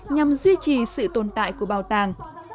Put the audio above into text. nhằm duy trì sự tồn tại của bảo tàng